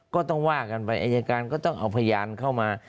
ก็ต้องว่ากันไปอายการก็ต้องเอาพยานเข้ามา